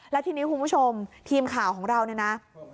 แล้วทีนี้คุณผู้ชมทีมข่าวของเราเนี่ยนะ